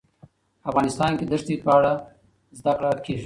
افغانستان کې د ښتې په اړه زده کړه کېږي.